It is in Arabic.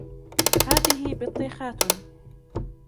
هذه بطيخات.